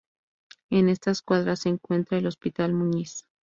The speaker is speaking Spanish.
En estas cuadras se encuentra el Hospital Muñiz.